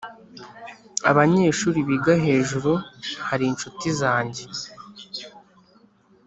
abanyeshuri biga hejuru hari inshuti zanjye.